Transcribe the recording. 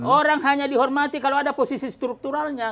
orang hanya dihormati kalau ada posisi strukturalnya